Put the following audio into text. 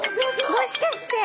もしかして。